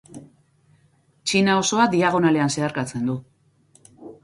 Txina osoa diagonalean zeharkatzen du.